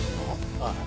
ああ。